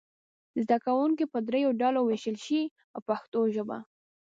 زده کوونکي به دریو ډلو وویشل شي په پښتو ژبه.